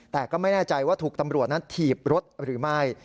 แต่ก็ไม่แน่ใจว่าถูกตำรวจนั้นถีบรถหรือไม่